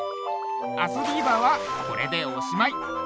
「あそビーバー」はこれでおしまい。